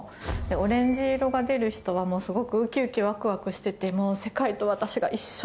オレンジ色が出る人はすごくウキウキワクワクしててもう世界と私が一緒！